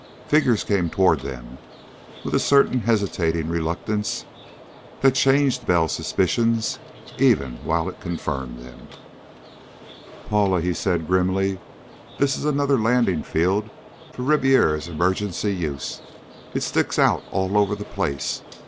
Figures came toward them, with a certain hesitating reluctance that changed Bell's suspicions even while it confirmed them. "Paula," he said grimly, "this is another landing field for Ribiera's emergency use. It sticks out all over the place.